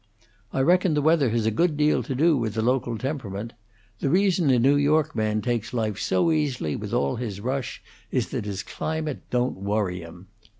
I reckon the weather has a good deal to do with the local temperament. The reason a New York man takes life so easily with all his rush is that his climate don't worry him.